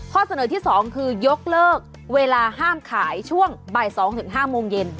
ข้อเสนอที่๒คือยกเลิกเวลาห้ามขายช่วงบ่าย๒๕โมงเย็น